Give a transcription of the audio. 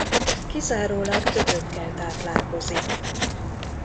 Kizárólag dögökkel táplálkozik.